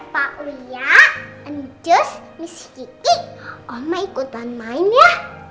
pak uya ncus bis kiki omah ikutan main ya